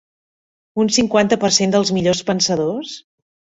Un cinquanta per cent dels millors pensadors?